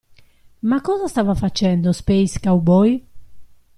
Ma cosa stava facendo Space Cowboy?